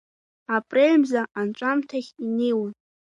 Апрель мза анҵәамҭахь инеиуан.